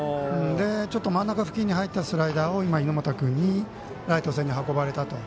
ちょっと真ん中付近に入ったスライダーを猪俣君にライト線に運ばれたと。